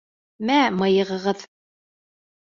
Мә, мыйығығыҙ!..